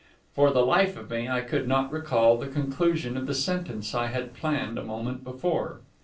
For the life of me I could not recall the conclusion of the sentence I had planned a moment before.